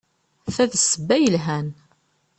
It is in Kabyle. Ta d ssebba yelhan.